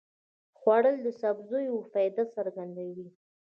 خوړل د سبزیو فایده څرګندوي